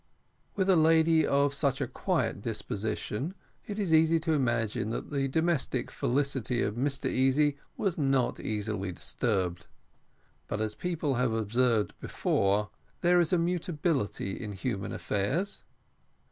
With a lady of such a quiet disposition, it is easy to imagine that the domestic felicity of Mr Easy was not easily disturbed. But, as people have observed before, there is a mutability in human affairs.